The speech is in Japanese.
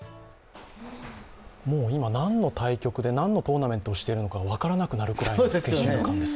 今、何の対局で何のトーナメントをしているのか分からなくなるくらいのスケジュール感です。